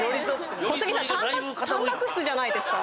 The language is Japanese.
小杉さんタンパク質じゃないですか。